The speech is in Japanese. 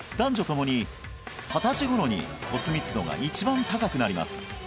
ともに二十歳頃に骨密度が一番高くなります